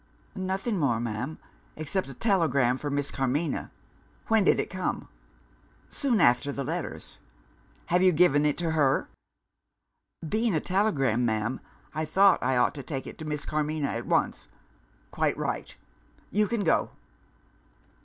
"Nothing more, ma'am except a telegram for Miss Carmina." "When did it come?" "Soon after the letters." "Have you given it to her?" "Being a telegram, ma'am, I thought I ought to take it to Miss Carmina at once." "Quite right. You can go."